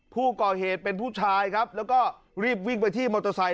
ผู้ก่อเหตุเป็นผู้ชายครับแล้วก็รีบวิ่งไปที่มอเตอร์ไซค